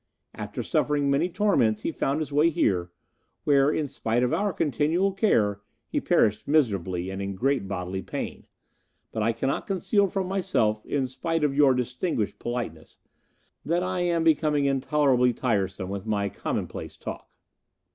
After suffering many torments, he found his way here, where, in spite of our continual care, he perished miserably and in great bodily pain.... But I cannot conceal from myself, in spite of your distinguished politeness, that I am becoming intolerably tiresome with my commonplace talk."